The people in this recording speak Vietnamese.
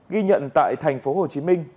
ghi nhận tại thành phố hồ chí minh